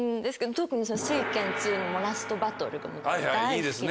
特に『酔拳２』のラストバトルが大好きで。